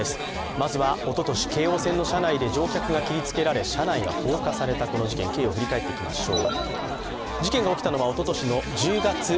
まずはおととし、京王線の車内で乗客が切りつけられ車内が放火されたこの事件、経緯を振り返っていきましょう。